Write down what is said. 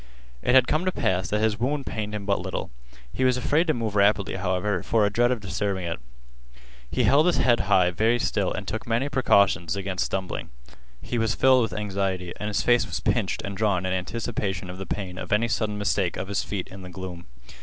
It had come to pass that his wound pained him but little. He was afraid to move rapidly, however, for a dread of disturbing it. He held his head very still and took many precautions against stumbling. He was filled with anxiety, and his face was pinched and drawn in anticipation of the pain of any sudden mistake of his feet in the gloom.